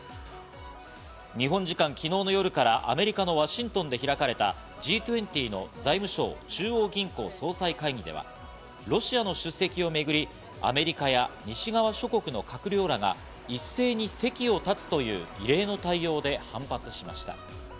日本時間、昨日の夜からアメリカのワシントンで開かれたＧ２０の財務相・中央銀行総裁会議では、ロシアの出席をめぐり、アメリカや西側諸国の閣僚らが一斉に席を立つという異例の対応で反発しました。